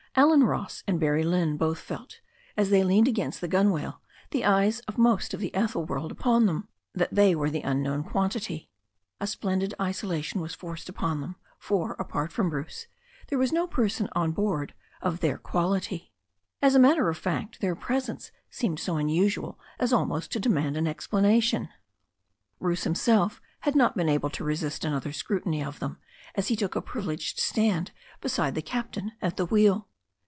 Allen Ross and Barrie Lynne both felt, as they leaned against the gunwale, the eyes of most of the Ethel world upon them, that they were the unknown quantity. A splen did isolation was forced upon them, for, apart from Bruce, there was no person of their quality aboard. As a matter of fact, their presence seemed so unusual as almost to de mand an explanation. Bruce himself had not been able to resist another scru tiny of them as he took a privileged stand beside the cap tain at the wheel.